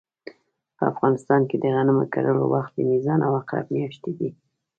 په افغانستان کې د غنمو کرلو وخت د میزان او عقرب مياشتې دي